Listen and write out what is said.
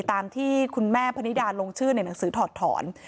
ตามที่คุณแม่พนิดาลงชื่อในหนังสือถอดถอน